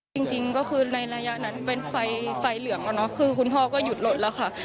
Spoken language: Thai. จริงก็คือในระยะนั้นเป็นไฟเหลืองอะเนาะคือคุณพ่อก็หยุดรถแล้วค่ะ